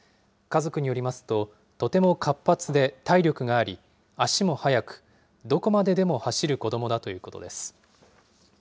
家族によりますと、とても活発で体力があり、足も速く、どこまででも走る子どもだということです。